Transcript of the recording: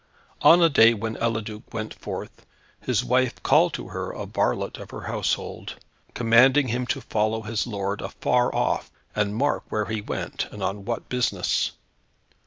On a day when Eliduc went forth, his wife called to her a varlet of her household, commanding him to follow his lord afar off, and mark where he went, and on what business.